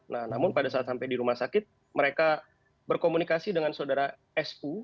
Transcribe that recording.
nah namun pada saat sampai di rumah sakit mereka berkomunikasi dengan saudara su